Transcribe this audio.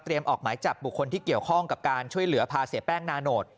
ออกหมายจับบุคคลที่เกี่ยวข้องกับการช่วยเหลือพาเสียแป้งนาโนต